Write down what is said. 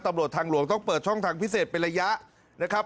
ตำรวจทางหลวงต้องเปิดช่องทางพิเศษเป็นระยะนะครับ